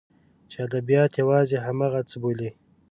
چې ادبیات یوازې همغه څه بولي.